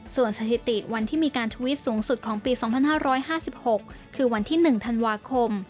ส่วนสถิติวันที่มีการทวิตสูงสุดของปี๒๕๕๖คือวันที่๑ธันวาคม